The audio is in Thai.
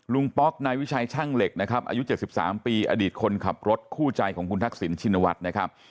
ป๊อกนายวิชัยช่างเหล็กนะครับอายุ๗๓ปีอดีตคนขับรถคู่ใจของคุณทักษิณชินวัฒน์นะครับ